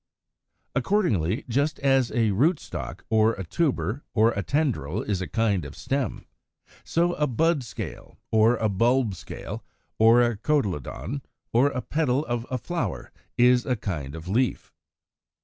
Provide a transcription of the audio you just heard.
120. Accordingly, just as a rootstock, or a tuber, or a tendril is a kind of stem, so a bud scale, or a bulb scale, or a cotyledon, or a petal of a flower, is a kind of leaf.